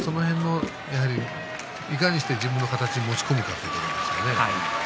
いかにして自分の形に持ち込むかということですね。